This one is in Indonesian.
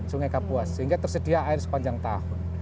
sungai kapuas sehingga tersedia air sepanjang tahun